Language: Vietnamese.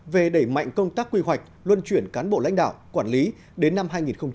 về đẩy mạnh công tác quy hoạch luân chuyển cán bộ lãnh đạo quản lý đến năm hai nghìn ba mươi